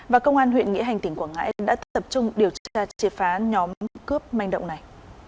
và công an huyện nghĩa hành tỉnh quảng ngãi đã tập trung điều tra triệt phá nhóm cướp manh động này